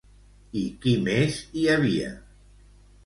I qui més hi havia?